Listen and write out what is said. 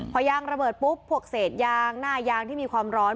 พอยางระเบิดปุ๊บพวกเศษยางหน้ายางที่มีความร้อน